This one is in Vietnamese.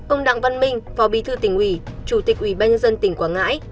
ông đặng văn minh phó bí thư tỉnh ủy chủ tịch ủy ban nhân dân tỉnh quảng ngãi